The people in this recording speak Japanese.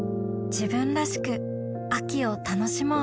自分らしく秋を楽しもう